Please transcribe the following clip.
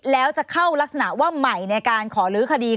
แล้วจะเข้ารักษณะว่าใหม่ในการขอลื้อคดี